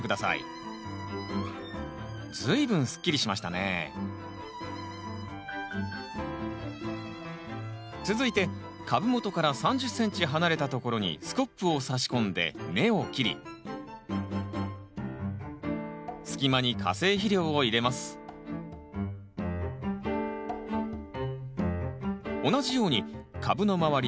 随分すっきりしましたね続いて株元から３０ｃｍ離れたところにスコップを差し込んで根を切り隙間に化成肥料を入れます同じように株の周り